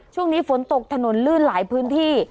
ช่วงนี้ฝนตกถนนลื่นหลายพื้นที่